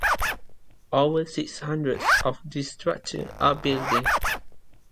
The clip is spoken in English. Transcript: Over six-hundred of these structures are buildings.